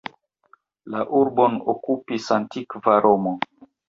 La urbon okupis antikva Romo.